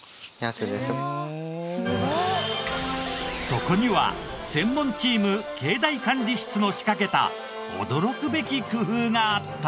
そこには専門チーム境内管理室の仕掛けた驚くべき工夫があった。